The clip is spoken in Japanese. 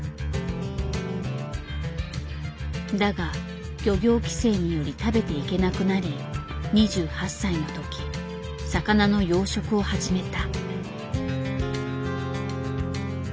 だが漁業規制により食べていけなくなり２８歳の時魚の養殖を始めた。